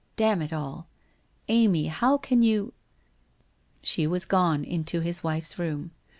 Damn it all ! Amy, how can you ?' She was gone into his wife's room.